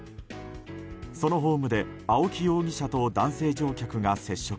そのホームで青木容疑者と男性乗客が接触。